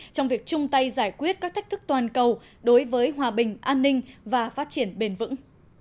trong việc chung tay giải quyết các thách thức toàn cầu đối với hòa bình an ninh và phát triển bền vững